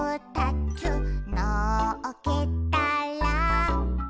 「のっけたら」